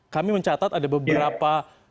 kami mencatat ada beberapa